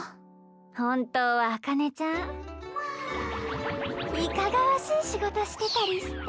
本当は紅葉ちゃんいかがわしい仕事してたりして。